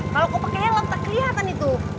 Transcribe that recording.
kalau kau pakai helm tak kelihatan itu